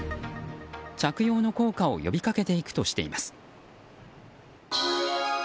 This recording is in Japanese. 着用の効果を呼び掛けていくとしています。